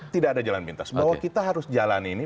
tidak ada jalan pintas bahwa kita harus jalan ini